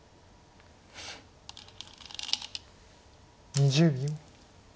２０秒。